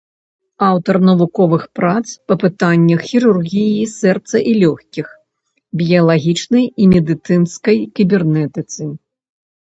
Аўтар навуковых прац па пытаннях хірургіі сэрца і лёгкіх, біялагічнай і медыцынскай кібернетыцы.